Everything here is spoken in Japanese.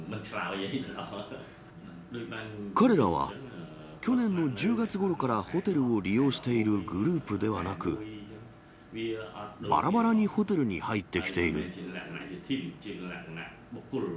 彼らは去年の１０月ごろからホテルを利用しているグループではなく、ばらばらにホテルに入ってきている。